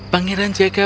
pangeran jacob berat